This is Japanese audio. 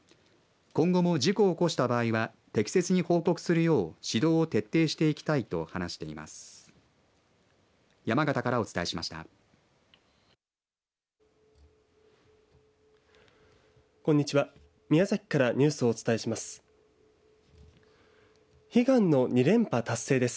今後も事故を起こした場合は適切に報告するよう指導を徹底していきたいと話しています。